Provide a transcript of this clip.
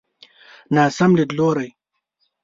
ناسم ليدلوری.